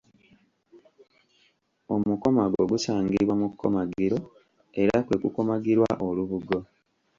Omukomago gusangibwa mu kkomagiro era kwe kukomagirwa olubugo.